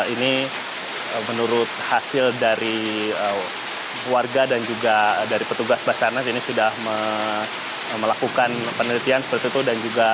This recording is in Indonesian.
ini menurut hasil dari warga dan juga dari petugas basarnas ini sudah melakukan penelitian seperti itu